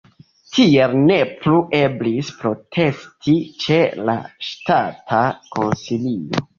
Tiel ne plu eblis protesti ĉe la Ŝtata Konsilio.